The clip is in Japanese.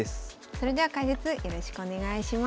それでは解説よろしくお願いします。